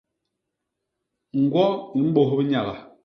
Ñgwo i mbôs binyaga.